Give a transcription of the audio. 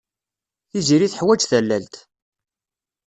Tiziri teḥwaj tallalt.